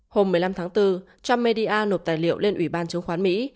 hôm một mươi năm tháng bốn cham media nộp tài liệu lên ủy ban chứng khoán mỹ